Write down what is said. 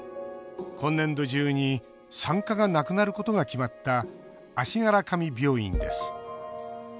今年度中に産科がなくなることが決まった足柄上病院です。